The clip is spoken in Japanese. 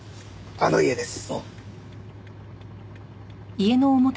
あの家です。